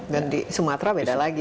dan di sumatera beda lagi